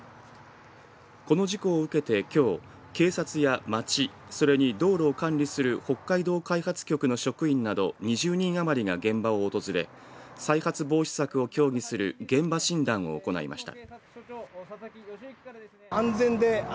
この事故を受けて、きょう警察や町、それに道路を管理する北海道開発局の職員など２０人余りが現場を訪れ再発防止策を協議する現場診断を行いました。